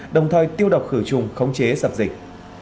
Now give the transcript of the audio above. đồng thời tiêu độc khử trùng khống chế dập dịch